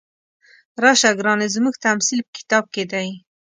راشه ګرانې زموږ تمثیل په کتاب کې دی.